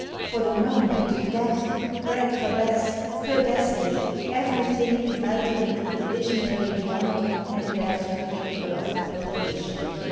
For the moment death, Red Jabez, her destiny, everything melted into the visionary beyond and left her capable of no volition.